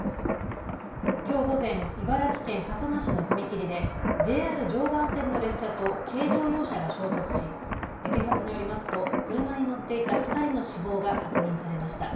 きょう午前、茨城県笠間市の踏切でＪＲ常磐線の列車と軽乗用車が衝突し警察によりますと車に乗っていた２人の死亡が確認されました。